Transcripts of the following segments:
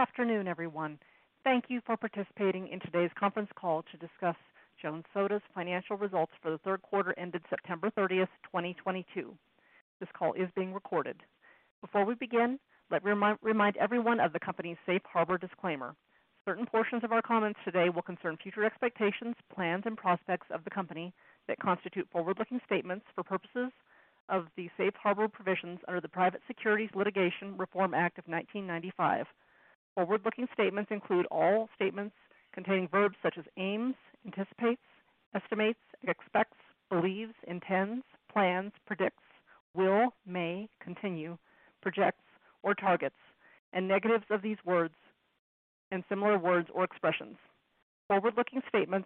Good afternoon, everyone. Thank you for participating in today's conference call to discuss Jones Soda's financial results for the third quarter ended September 30th, 2022. This call is being recorded. Before we begin, let me remind everyone of the company's safe harbor disclaimer. Certain portions of our comments today will concern future expectations, plans, and prospects of the company that constitute forward-looking statements for purposes of the safe harbor provisions under the Private Securities Litigation Reform Act of 1995. Forward-looking statements include all statements containing verbs such as aims, anticipates, estimates, expects, believes, intends, plans, predicts, will, may, continue, projects, or targets, and negatives of these words and similar words or expressions. Forward-looking statements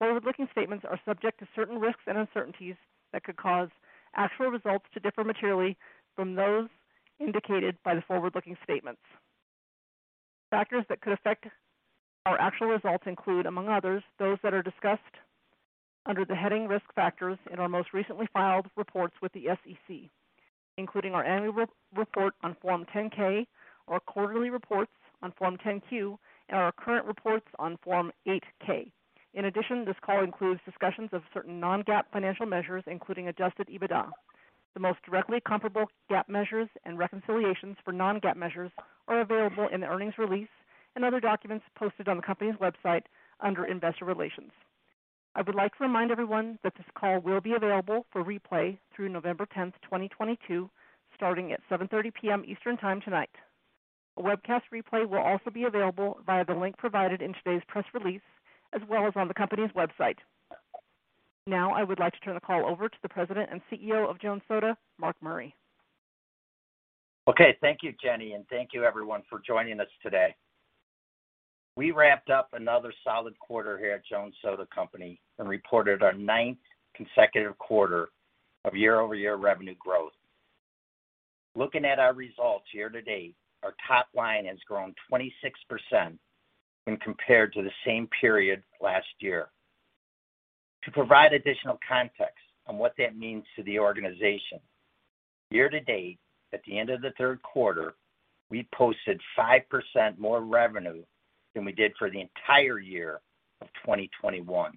are subject to certain risks and uncertainties that could cause actual results to differ materially from those indicated by the forward-looking statements. Factors that could affect our actual results include, among others, those that are discussed under the heading Risk Factors in our most recently filed reports with the SEC, including our annual report on Form 10-K, our quarterly reports on Form 10-Q, and our current reports on Form 8-K. In addition, this call includes discussions of certain non-GAAP financial measures, including adjusted EBITDA. The most directly comparable GAAP measures and reconciliations for non-GAAP measures are available in the earnings release and other documents posted on the company's website under Investor Relations. I would like to remind everyone that this call will be available for replay through November 10th, 2022, starting at 7:30 P.M. Eastern Time tonight. A webcast replay will also be available via the link provided in today's press release, as well as on the company's website. Now I would like to turn the call over to the President and CEO of Jones Soda, Mark Murray. Okay. Thank you, Jenny, and thank you everyone for joining us today. We wrapped up another solid quarter here at Jones Soda Co. and reported our ninth consecutive quarter of year-over-year revenue growth. Looking at our results year to date, our top line has grown 26% when compared to the same period last year. To provide additional context on what that means to the organization, year to date, at the end of the third quarter, we posted 5% more revenue than we did for the entire year of 2021.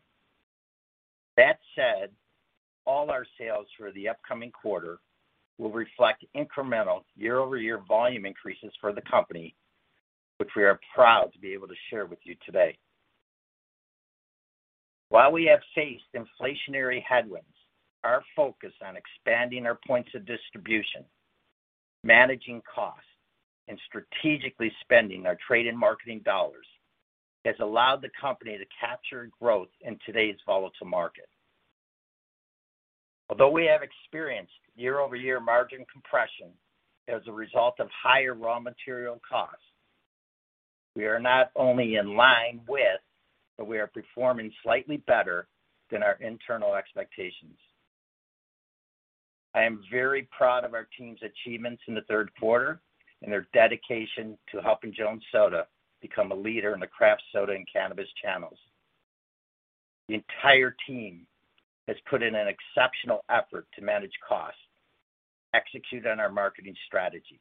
That said, all our sales for the upcoming quarter will reflect incremental year-over-year volume increases for the company, which we are proud to be able to share with you today. While we have faced inflationary headwinds, our focus on expanding our points of distribution, managing costs, and strategically spending our trade and marketing dollars has allowed the company to capture growth in today's volatile market. Although we have experienced year-over-year margin compression as a result of higher raw material costs, we are not only in line with, but we are performing slightly better than our internal expectations. I am very proud of our team's achievements in the third quarter and their dedication to helping Jones Soda become a leader in the craft soda and cannabis channels. The entire team has put in an exceptional effort to manage costs, execute on our marketing strategies,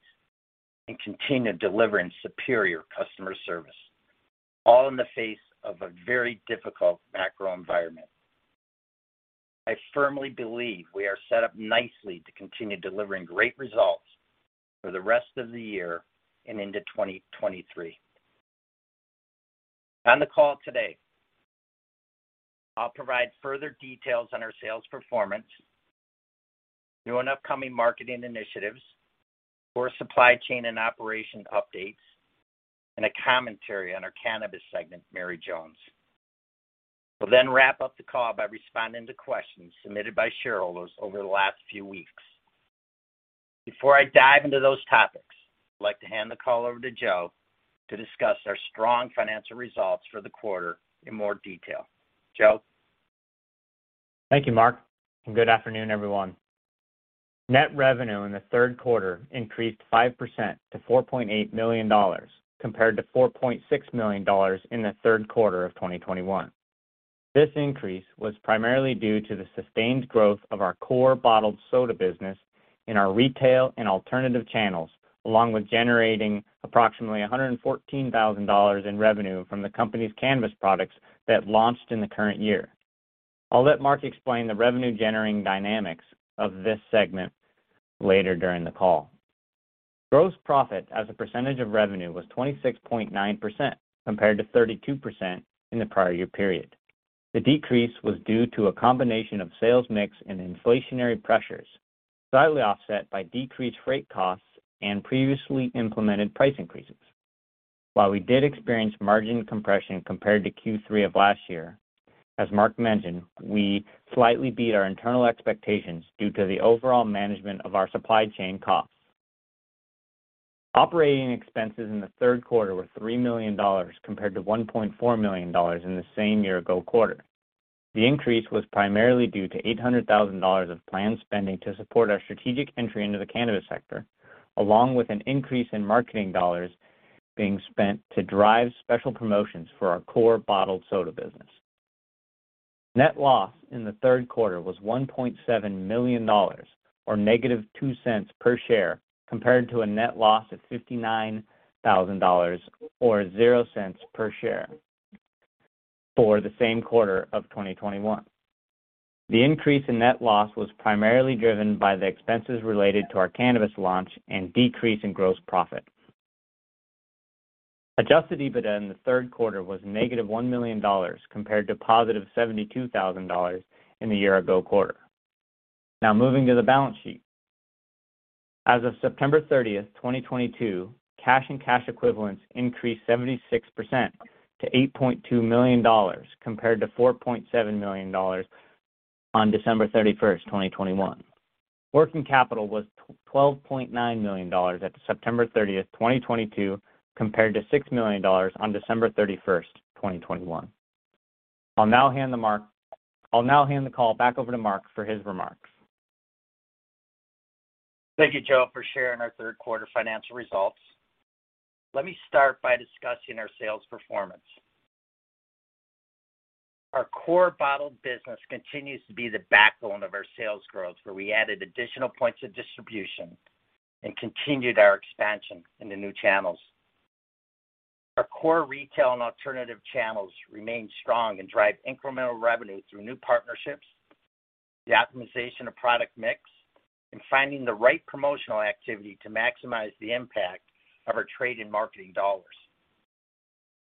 and continue delivering superior customer service, all in the face of a very difficult macro environment. I firmly believe we are set up nicely to continue delivering great results for the rest of the year and into 2023. On the call today, I'll provide further details on our sales performance, new and upcoming marketing initiatives, core supply chain and operation updates, and a commentary on our cannabis segment, Mary Jones. We'll then wrap up the call by responding to questions submitted by shareholders over the last few weeks. Before I dive into those topics, I'd like to hand the call over to Joe to discuss our strong financial results for the quarter in more detail. Joe? Thank you, Mark, and good afternoon, everyone. Net revenue in the third quarter increased 5% to $4.8 million compared to $4.6 million in the third quarter of 2021. This increase was primarily due to the sustained growth of our core bottled soda business in our retail and alternative channels, along with generating approximately $114 thousand in revenue from the company's cannabis products that launched in the current year. I'll let Mark explain the revenue generating dynamics of this segment later during the call. Gross profit as a percentage of revenue was 26.9%, compared to 32% in the prior year period. The decrease was due to a combination of sales mix and inflationary pressures, slightly offset by decreased freight costs and previously implemented price increases. While we did experience margin compression compared to Q3 of last year, as Mark mentioned, we slightly beat our internal expectations due to the overall management of our supply chain costs. Operating expenses in the third quarter were $3 million compared to $1.4 million in the same year-ago quarter. The increase was primarily due to $800,000 of planned spending to support our strategic entry into the cannabis sector, along with an increase in marketing dollars being spent to drive special promotions for our core bottled soda business. Net loss in the third quarter was $1.7 million or -$0.02 per share compared to a net loss of $59,000 or $0.00 per share for the same quarter of 2021. The increase in net loss was primarily driven by the expenses related to our cannabis launch and decrease in gross profit. Adjusted EBITDA in the third quarter was -$1 million compared to $72 thousand in the year ago quarter. Now moving to the balance sheet. As of September 30th, 2022, cash and cash equivalents increased 76% to $8.2 million compared to $4.7 million on December 31st, 2021. Working capital was $12.9 million at September 30th, 2022 compared to $6 million on December 31st, 2021. I'll now hand the call back over to Mark for his remarks. Thank you, Joe, for sharing our third quarter financial results. Let me start by discussing our sales performance. Our core bottled business continues to be the backbone of our sales growth, where we added additional points of distribution and continued our expansion into new channels. Our core retail and alternative channels remain strong and drive incremental revenue through new partnerships, the optimization of product mix, and finding the right promotional activity to maximize the impact of our trade and marketing dollars.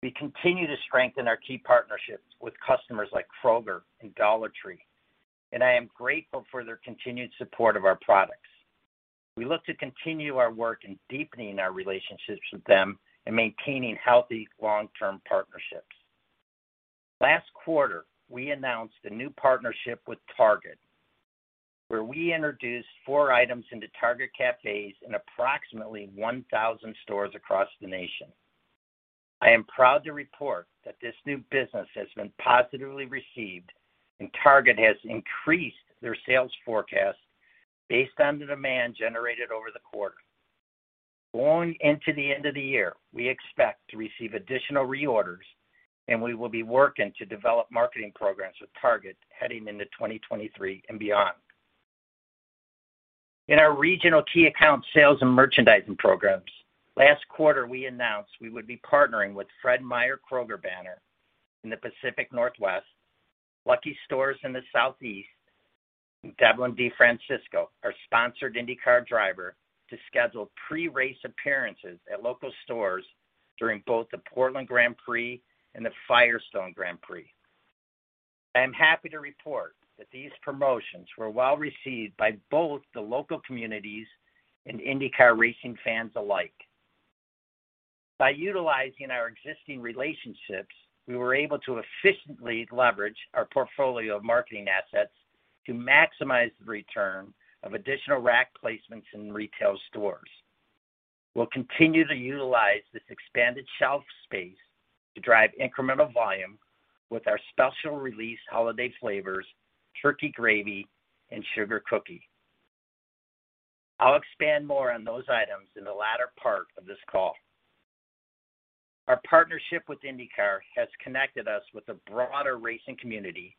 We continue to strengthen our key partnerships with customers like Kroger and Dollar Tree, and I am grateful for their continued support of our products. We look to continue our work in deepening our relationships with them and maintaining healthy long-term partnerships. Last quarter, we announced a new partnership with Target, where we introduced four items into Target cafes in approximately 1,000 stores across the nation. I am proud to report that this new business has been positively received, and Target has increased their sales forecast based on the demand generated over the quarter. Going into the end of the year, we expect to receive additional reorders, and we will be working to develop marketing programs with Target heading into 2023 and beyond. In our regional key account sales and merchandising programs, last quarter we announced we would be partnering with Fred Meyer Kroger banner in the Pacific Northwest, Lucky's Market in the Southeast, and Devlin DeFrancesco, our sponsored IndyCar driver, to schedule pre-race appearances at local stores during both the Portland Grand Prix and the Firestone Grand Prix. I am happy to report that these promotions were well received by both the local communities and IndyCar racing fans alike. By utilizing our existing relationships, we were able to efficiently leverage our portfolio of marketing assets to maximize the return of additional rack placements in retail stores. We'll continue to utilize this expanded shelf space to drive incremental volume with our special release holiday flavors, Turkey & Gravy, and Sugar Cookie. I'll expand more on those items in the latter part of this call. Our partnership with IndyCar has connected us with a broader racing community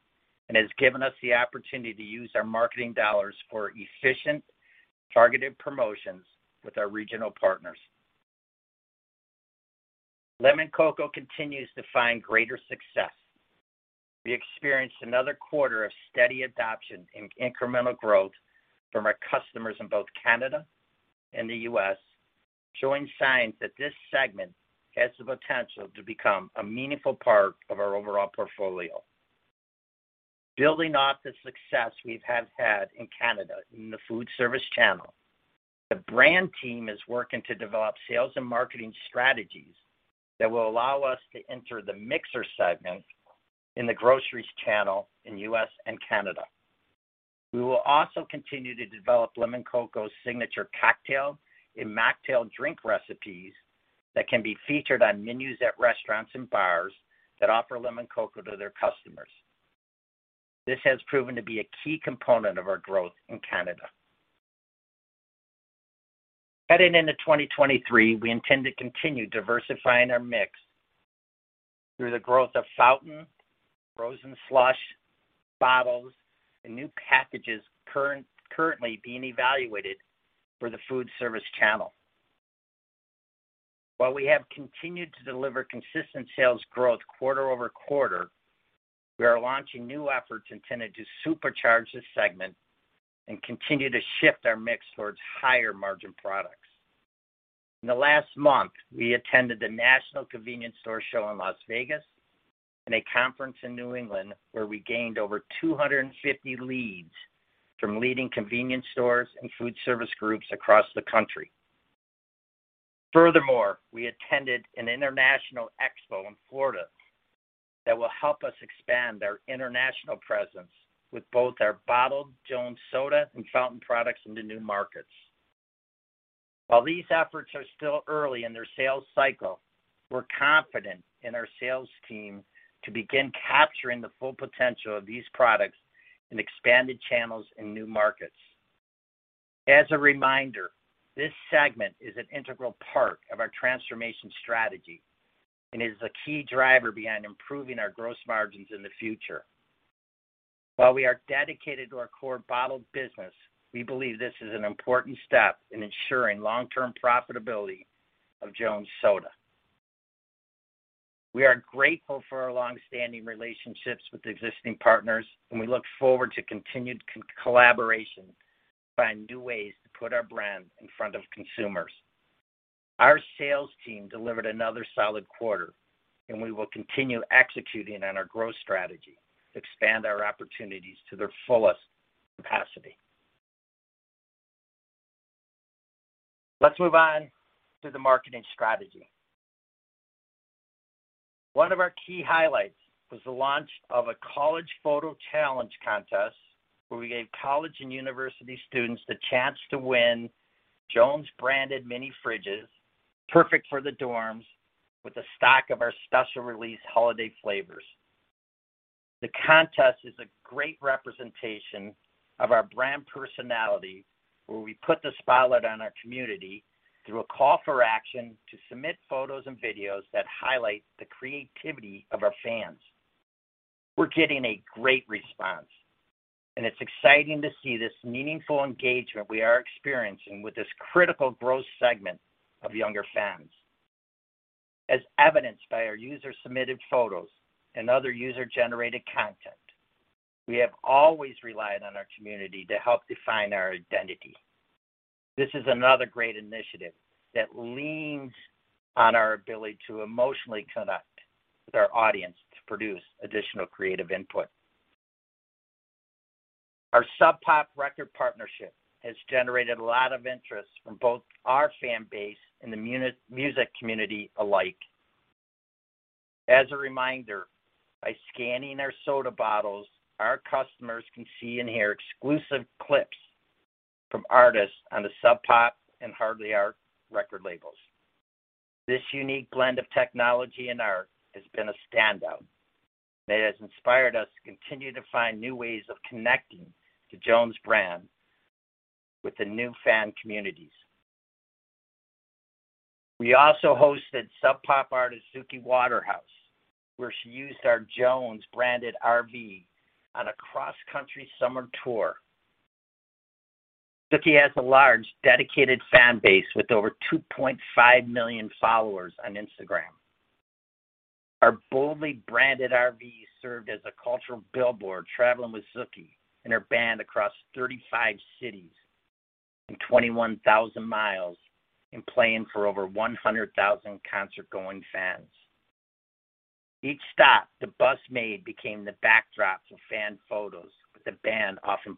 and has given us the opportunity to use our marketing dollars for efficient, targeted promotions with our regional partners. Lemoncocco continues to find greater success. We experienced another quarter of steady adoption and incremental growth from our customers in both Canada and the U.S., showing signs that this segment has the potential to become a meaningful part of our overall portfolio. Building off the success we have had in Canada in the food service channel, the brand team is working to develop sales and marketing strategies that will allow us to enter the mixer segment in the groceries channel in U.S. and Canada. We will also continue to develop Lemoncocco's signature cocktail and mocktail drink recipes that can be featured on menus at restaurants and bars that offer Lemoncocco to their customers. This has proven to be a key component of our growth in Canada. Heading into 2023, we intend to continue diversifying our mix through the growth of fountain, frozen slush, bottles, and new packages currently being evaluated for the food service channel. While we have continued to deliver consistent sales growth quarter over quarter, we are launching new efforts intended to supercharge this segment and continue to shift our mix towards higher margin products. In the last month, we attended the NACS Show in Las Vegas and a conference in New England where we gained over 250 leads from leading convenience stores and food service groups across the country. Furthermore, we attended an international expo in Florida that will help us expand our international presence with both our bottled Jones Soda and fountain products into new markets. While these efforts are still early in their sales cycle, we're confident in our sales team to begin capturing the full potential of these products in expanded channels and new markets. As a reminder, this segment is an integral part of our transformation strategy and is a key driver behind improving our gross margins in the future. While we are dedicated to our core bottled business, we believe this is an important step in ensuring long-term profitability of Jones Soda. We are grateful for our long-standing relationships with existing partners, and we look forward to continued collaboration to find new ways to put our brand in front of consumers. Our sales team delivered another solid quarter, and we will continue executing on our growth strategy to expand our opportunities to their fullest capacity. Let's move on to the marketing strategy. One of our key highlights was the launch of a college photo challenge contest where we gave college and university students the chance to win Jones branded mini fridges perfect for the dorms with a stock of our special release holiday flavors. The contest is a great representation of our brand personality, where we put the spotlight on our community through a call for action to submit photos and videos that highlight the creativity of our fans. We're getting a great response, and it's exciting to see this meaningful engagement we are experiencing with this critical growth segment of younger fans. As evidenced by our user-submitted photos and other user-generated content, we have always relied on our community to help define our identity. This is another great initiative that leans on our ability to emotionally connect with our audience to produce additional creative input. Our Sub Pop record partnership has generated a lot of interest from both our fan base and the music community alike. As a reminder, by scanning our soda bottles, our customers can see and hear exclusive clips from artists on the Sub Pop and Hardly Art record labels. This unique blend of technology and art has been a standout. It has inspired us to continue to find new ways of connecting the Jones brand with the new fan communities. We also hosted Sub Pop artist Suki Waterhouse, where she used our Jones-branded RV on a cross-country summer tour. Suki has a large dedicated fan base with over 2.5 million followers on Instagram. Our boldly branded RV served as a cultural billboard, traveling with Suki and her band across 35 cities and 21,000 miles and playing for over 100,000 concert-going fans. Each stop the bus made became the backdrop for fan photos, with the band often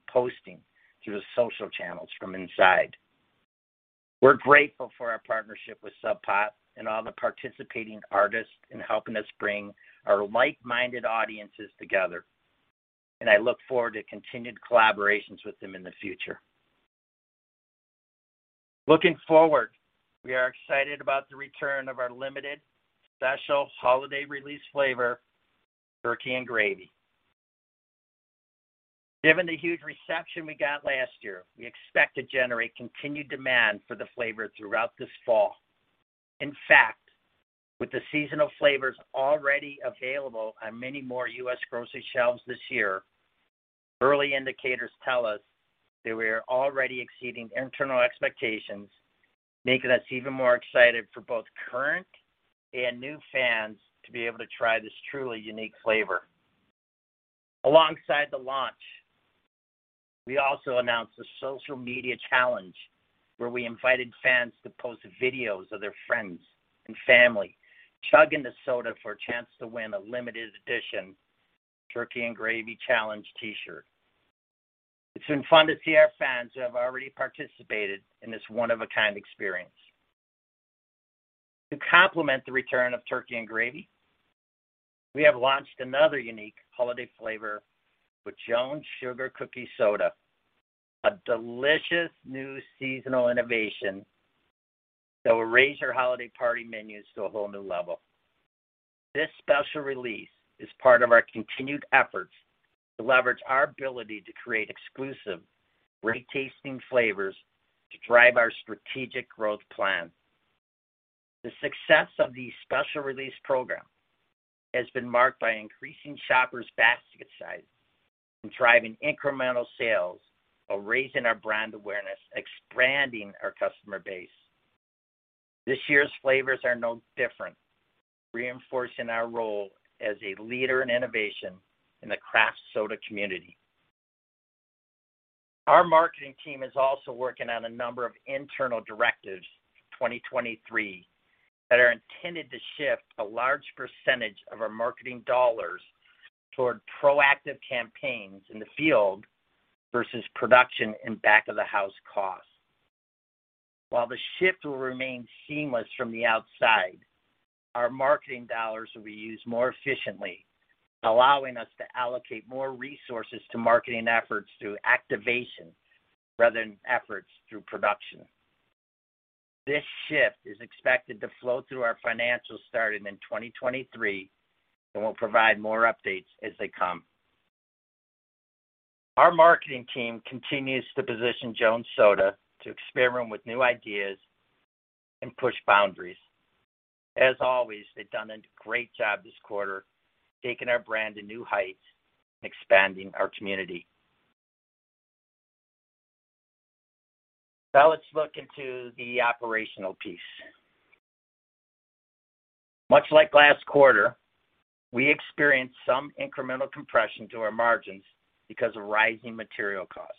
posting to the social channels from inside. We're grateful for our partnership with Sub Pop and all the participating artists in helping us bring our like-minded audiences together, and I look forward to continued collaborations with them in the future. Looking forward, we are excited about the return of our limited special holiday release flavor, Turkey and Gravy. Given the huge reception we got last year, we expect to generate continued demand for the flavor throughout this fall. In fact, with the seasonal flavors already available on many more U.S. grocery shelves this year, early indicators tell us that we are already exceeding internal expectations, making us even more excited for both current and new fans to be able to try this truly unique flavor. Alongside the launch, we also announced a social media challenge where we invited fans to post videos of their friends and family chugging the soda for a chance to win a limited edition Turkey & Gravy Challenge T-shirt. It's been fun to see our fans who have already participated in this one-of-a-kind experience. To complement the return of Turkey & Gravy, we have launched another unique holiday flavor with Jones Sugar Cookie Soda, a delicious new seasonal innovation that will raise your holiday party menus to a whole new level. This special release is part of our continued efforts to leverage our ability to create exclusive, great-tasting flavors to drive our strategic growth plan. The success of the special release program has been marked by increasing shopper's basket size and driving incremental sales while raising our brand awareness, expanding our customer base. This year's flavors are no different, reinforcing our role as a leader in innovation in the craft soda community. Our marketing team is also working on a number of internal directives for 2023 that are intended to shift a large percentage of our marketing dollars toward proactive campaigns in the field versus production and back-of-the-house costs. While the shift will remain seamless from the outside, our marketing dollars will be used more efficiently, allowing us to allocate more resources to marketing efforts through activation rather than efforts through production. This shift is expected to flow through our financials starting in 2023, and we'll provide more updates as they come. Our marketing team continues to position Jones Soda to experiment with new ideas and push boundaries. As always, they've done a great job this quarter, taking our brand to new heights and expanding our community. Now let's look into the operational piece. Much like last quarter, we experienced some incremental compression to our margins because of rising material costs.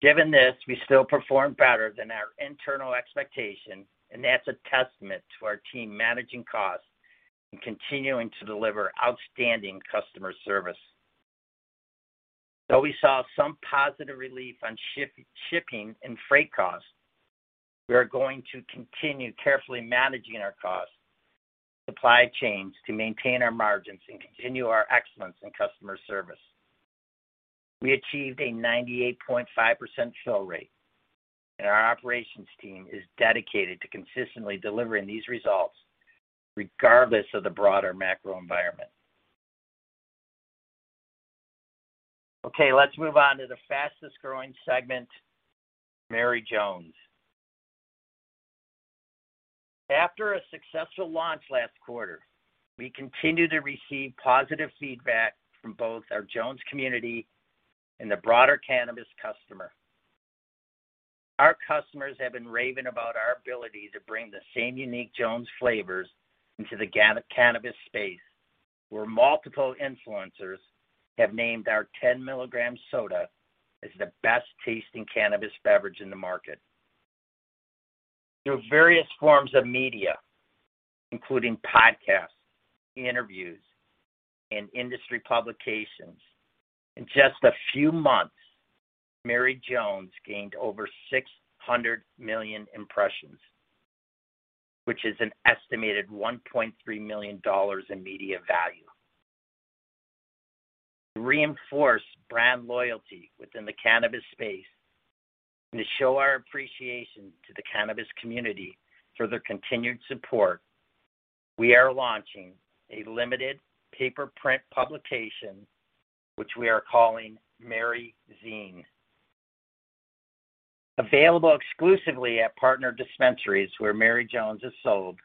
Given this, we still performed better than our internal expectation, and that's a testament to our team managing costs and continuing to deliver outstanding customer service. Though we saw some positive relief on shipping and freight costs, we are going to continue carefully managing our costs, supply chains to maintain our margins and continue our excellence in customer service. We achieved a 98.5% fill rate, and our operations team is dedicated to consistently delivering these results regardless of the broader macro environment. Okay, let's move on to the fastest-growing segment, Mary Jones. After a successful launch last quarter, we continue to receive positive feedback from both our Jones community and the broader cannabis customer. Our customers have been raving about our ability to bring the same unique Jones flavors into the cannabis space, where multiple influencers have named our 10-milligram soda as the best tasting cannabis beverage in the market. Through various forms of media, including podcasts, interviews, and industry publications, in just a few months, Mary Jones gained over 600 million impressions, which is an estimated $1.3 million in media value. To reinforce brand loyalty within the cannabis space and to show our appreciation to the cannabis community for their continued support, we are launching a limited paper print publication, which we are calling Mary Zine. Available exclusively at partner dispensaries where Mary Jones is sold,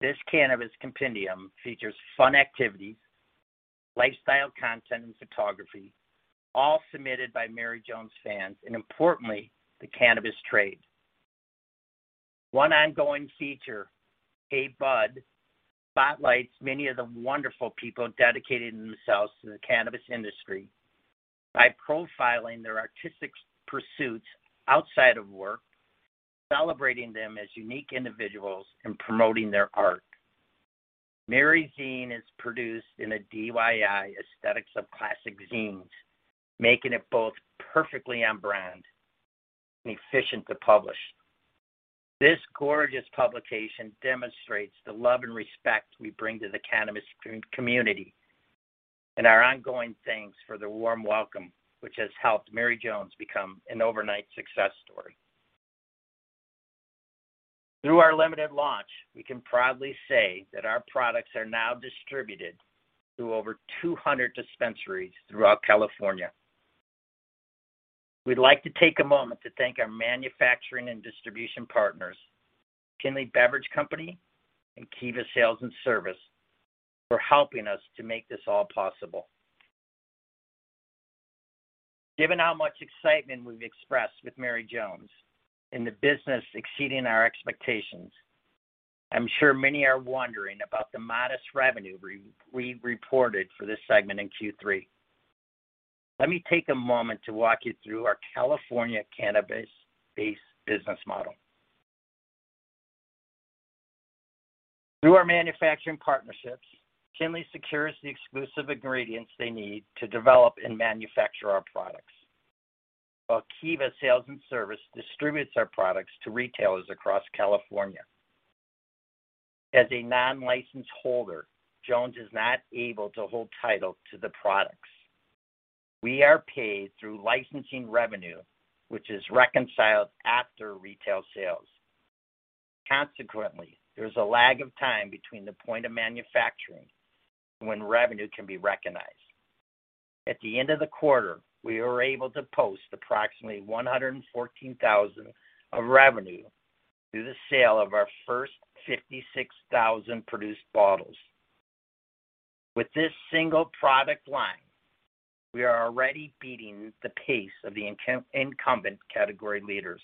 this cannabis compendium features fun activities, lifestyle content, and photography, all submitted by Mary Jones fans and importantly, the cannabis trade. One ongoing feature, Hey Bud, spotlights many of the wonderful people dedicated to the cannabis industry by profiling their artistic pursuits outside of work, celebrating them as unique individuals, and promoting their art. Mary Zine is produced in a DIY aesthetics of classic zines, making it both perfectly on brand and efficient to publish. This gorgeous publication demonstrates the love and respect we bring to the cannabis community and our ongoing thanks for the warm welcome, which has helped Mary Jones become an overnight success story. Through our limited launch, we can proudly say that our products are now distributed through over 200 dispensaries throughout California. We'd like to take a moment to thank our manufacturing and distribution partners, The Tinley Beverage Company Inc. and Kiva Sales & Service, for helping us to make this all possible. Given how much excitement we've expressed with Mary Jones and the business exceeding our expectations, I'm sure many are wondering about the modest revenue we reported for this segment in Q3. Let me take a moment to walk you through our California cannabis-based business model. Through our manufacturing partnerships, The Tinley Beverage Company Inc. secures the exclusive ingredients they need to develop and manufacture our products, while Kiva Sales & Service distributes our products to retailers across California. As a non-licensed holder, Jones is not able to hold title to the products. We are paid through licensing revenue, which is reconciled after retail sales. Consequently, there is a lag of time between the point of manufacturing when revenue can be recognized. At the end of the quarter, we were able to post approximately $114,000 of revenue through the sale of our first 56,000 produced bottles. With this single product line, we are already beating the pace of the incumbent category leaders.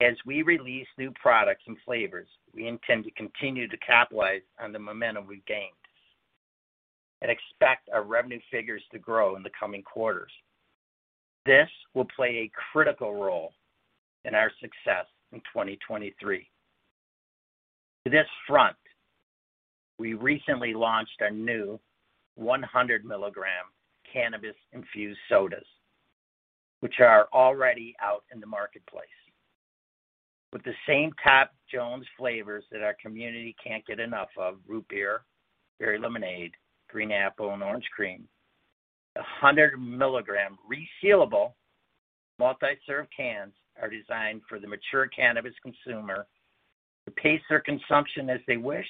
As we release new products and flavors, we intend to continue to capitalize on the momentum we've gained and expect our revenue figures to grow in the coming quarters. This will play a critical role in our success in 2023. To this front, we recently launched our new 100 milligram cannabis-infused sodas, which are already out in the marketplace. With the same top Jones flavors that our community can't get enough of, Root Beer, Berry Lemonade, Green Apple, and Orange & Cream. The 100 milligram resealable multi-serve cans are designed for the mature cannabis consumer to pace their consumption as they wish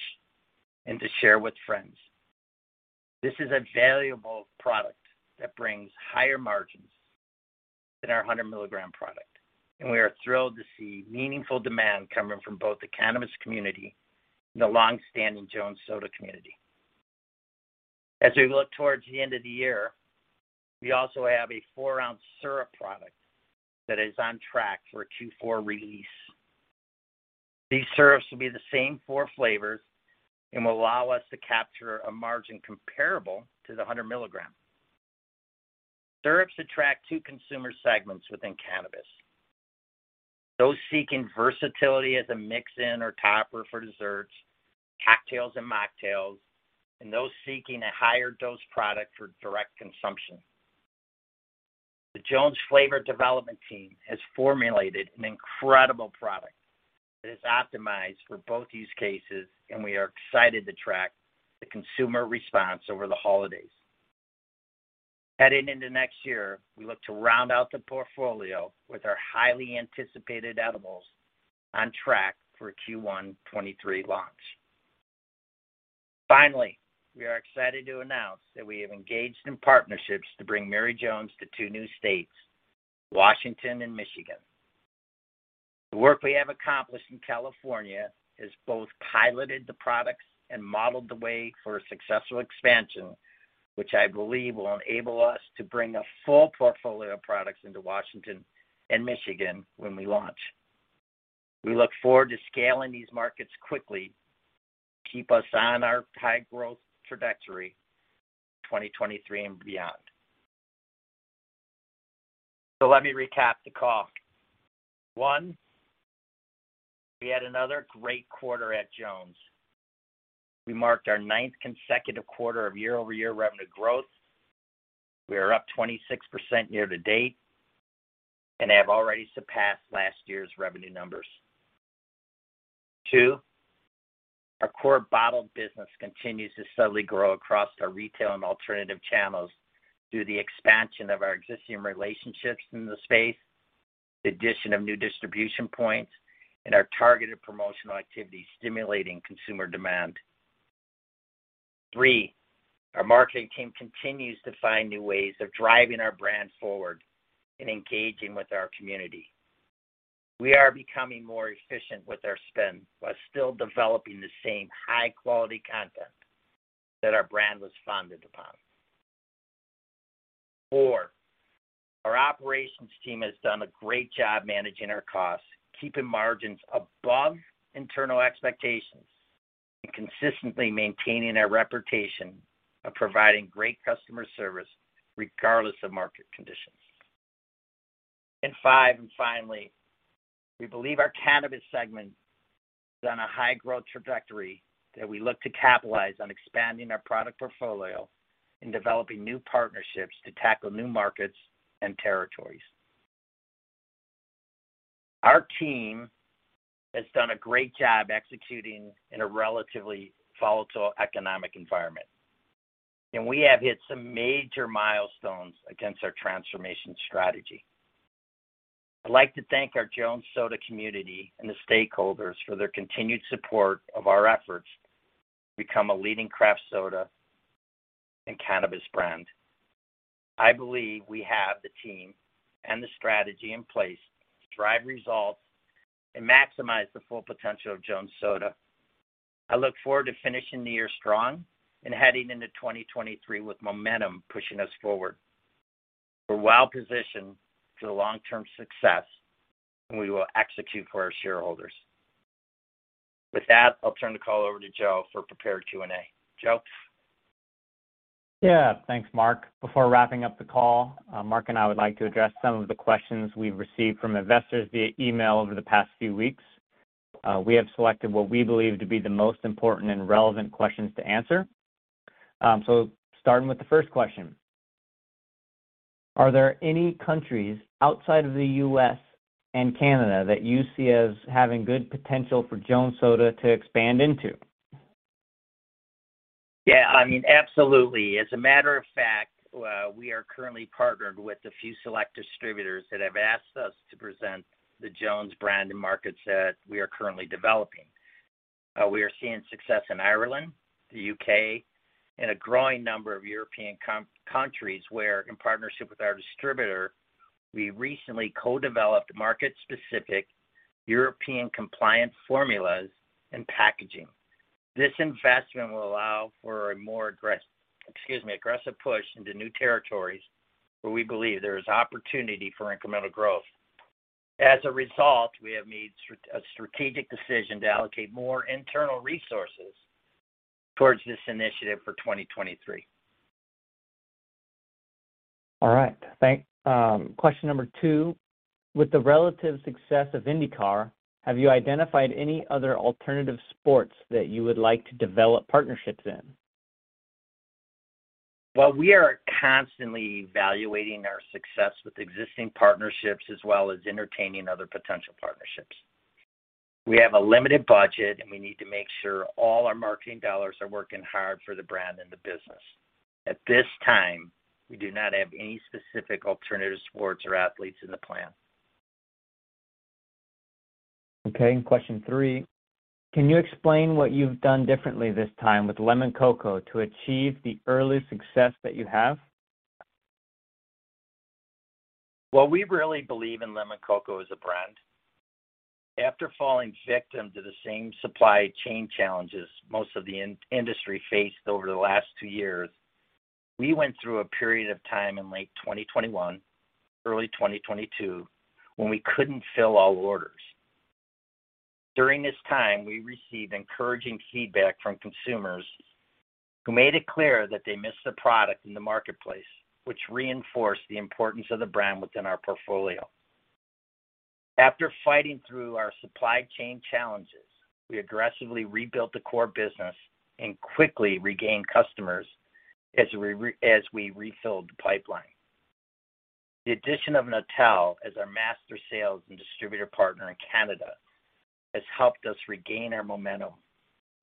and to share with friends. This is a valuable product that brings higher margins than our 100 milligram product, and we are thrilled to see meaningful demand coming from both the cannabis community and the long-standing Jones Soda community. As we look towards the end of the year, we also have a 4-ounce syrup product that is on track for a Q4 release. These syrups will be the same four flavors and will allow us to capture a margin comparable to the 100 milligram. Syrups attract two consumer segments within cannabis. Those seeking versatility as a mix-in or topper for desserts, cocktails, and mocktails, and those seeking a higher dose product for direct consumption. The Jones flavor development team has formulated an incredible product that is optimized for both use cases, and we are excited to track the consumer response over the holidays. Heading into next year, we look to round out the portfolio with our highly anticipated edibles on track for a Q1 2023 launch. Finally, we are excited to announce that we have engaged in partnerships to bring Mary Jones to two new states, Washington and Michigan. The work we have accomplished in California has both piloted the products and modeled the way for a successful expansion, which I believe will enable us to bring a full portfolio of products into Washington and Michigan when we launch. We look forward to scaling these markets quickly to keep us on our high growth trajectory in 2023 and beyond. Let me recap the call. One, we had another great quarter at Jones. We marked our ninth consecutive quarter of year-over-year revenue growth. We are up 26% year to date and have already surpassed last year's revenue numbers. Two, our core bottled business continues to steadily grow across our retail and alternative channels through the expansion of our existing relationships in the space, the addition of new distribution points, and our targeted promotional activities stimulating consumer demand. Three, our marketing team continues to find new ways of driving our brand forward and engaging with our community. We are becoming more efficient with our spend while still developing the same high quality content that our brand was founded upon. Four, our operations team has done a great job managing our costs, keeping margins above internal expectations, and consistently maintaining our reputation of providing great customer service regardless of market conditions. Five, and finally, we believe our cannabis segment is on a high growth trajectory that we look to capitalize on expanding our product portfolio and developing new partnerships to tackle new markets and territories. Our team has done a great job executing in a relatively volatile economic environment, and we have hit some major milestones against our transformation strategy. I'd like to thank our Jones Soda community and the stakeholders for their continued support of our efforts to become a leading craft soda and cannabis brand. I believe we have the team and the strategy in place to drive results and maximize the full potential of Jones Soda. I look forward to finishing the year strong and heading into 2023 with momentum pushing us forward. We're well positioned for the long term success, and we will execute for our shareholders. With that, I'll turn the call over to Joe for prepared Q&A. Joe? Yeah. Thanks, Mark. Before wrapping up the call, Mark and I would like to address some of the questions we've received from investors via email over the past few weeks. We have selected what we believe to be the most important and relevant questions to answer. Starting with the first question, are there any countries outside of the U.S. and Canada that you see as having good potential for Jones Soda to expand into? Yeah, I mean, absolutely. As a matter of fact, we are currently partnered with a few select distributors that have asked us to present the Jones brand in markets that we are currently developing. We are seeing success in Ireland, the U.K., and a growing number of European countries where, in partnership with our distributor, we recently co-developed market-specific European compliance formulas and packaging. This investment will allow for a more aggressive push into new territories where we believe there is opportunity for incremental growth. As a result, we have made a strategic decision to allocate more internal resources towards this initiative for 2023. All right. Question number two, with the relative success of IndyCar, have you identified any other alternative sports that you would like to develop partnerships in? Well, we are constantly evaluating our success with existing partnerships as well as entertaining other potential partnerships. We have a limited budget, and we need to make sure all our marketing dollars are working hard for the brand and the business. At this time, we do not have any specific alternative sports or athletes in the plan. Okay. Question three, can you explain what you've done differently this time with Lemoncocco to achieve the early success that you have? Well, we really believe in Lemoncocco as a brand. After falling victim to the same supply chain challenges most of the in-industry faced over the last two years, we went through a period of time in late 2021, early 2022 when we couldn't fill all orders. During this time, we received encouraging feedback from consumers who made it clear that they missed the product in the marketplace, which reinforced the importance of the brand within our portfolio. After fighting through our supply chain challenges, we aggressively rebuilt the core business and quickly regained customers as we refilled the pipeline. The addition of Naturo as our master sales and distributor partner in Canada has helped us regain our momentum,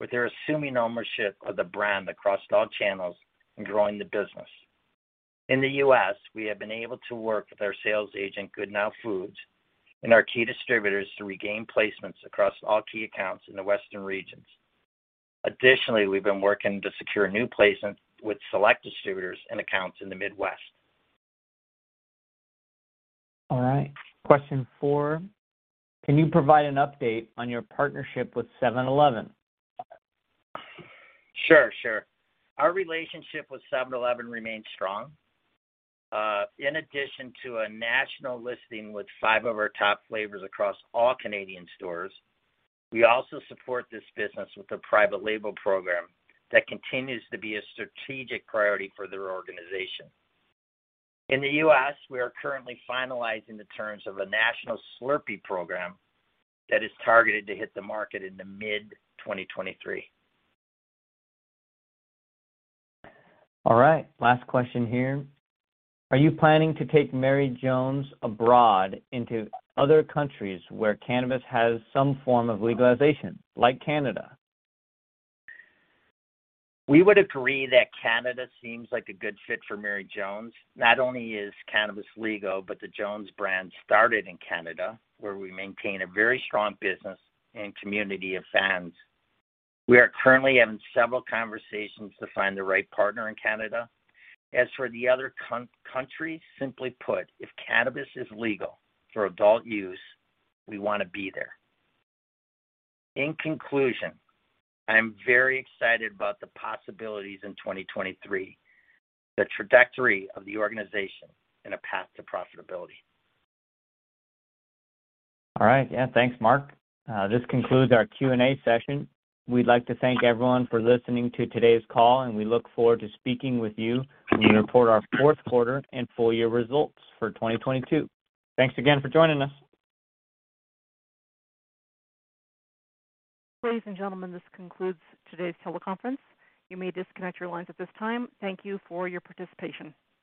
with their assuming ownership of the brand across all channels and growing the business. In the U.S., we have been able to work with our sales agent, Good Now Foods, and our key distributors to regain placements across all key accounts in the Western regions. Additionally, we've been working to secure new placements with select distributors and accounts in the Midwest. All right. Question four, can you provide an update on your partnership with 7-Eleven? Sure, sure. Our relationship with 7-Eleven remains strong. In addition to a national listing with five of our top flavors across all Canadian stores, we also support this business with a private label program that continues to be a strategic priority for their organization. In the U.S., we are currently finalizing the terms of a national Slurpee program that is targeted to hit the market in mid-2023. All right, last question here. Are you planning to take Mary Jones abroad into other countries where cannabis has some form of legalization, like Canada? We would agree that Canada seems like a good fit for Mary Jones. Not only is cannabis legal, but the Jones brand started in Canada, where we maintain a very strong business and community of fans. We are currently having several conversations to find the right partner in Canada. As for the other countries, simply put, if cannabis is legal for adult use, we wanna be there. In conclusion, I am very excited about the possibilities in 2023, the trajectory of the organization, and a path to profitability. All right. Yeah, thanks, Mark. This concludes our Q&A session. We'd like to thank everyone for listening to today's call, and we look forward to speaking with you when we report our fourth quarter and full year results for 2022. Thanks again for joining us. Ladies and gentlemen, this concludes today's teleconference. You may disconnect your lines at this time. Thank you for your participation.